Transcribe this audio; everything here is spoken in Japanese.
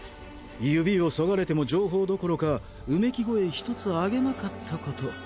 指を削がれても情報どころかうめき声ひとつ上げなかった事。